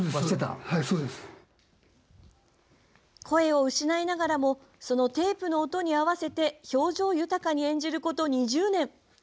声を失いながらもそのテープの音に合わせて表情豊かに演じること２０年。